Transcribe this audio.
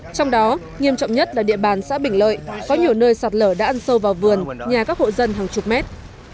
trong đó nghiêm trọng nhất là địa bàn xã bình lợi có nhiều nơi sạt lở đã ăn sâu vào vườn nhà các hộ dân hàng chục mét